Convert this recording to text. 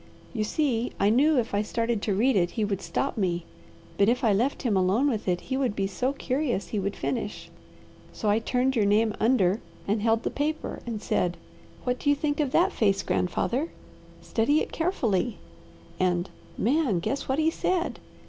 "You see, I knew if I started to read it he would stop me; but if I left him alone with it he would be so curious he would finish. So I turned your name under and held the paper and said, 'What do you think of that face, grandfather? Study it carefully,' and, Man, only guess what he said!